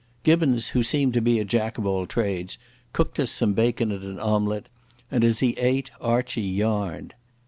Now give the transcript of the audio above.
Gibbons, who seemed to be a jack of all trades, cooked us some bacon and an omelette, and as he ate Archie yarned.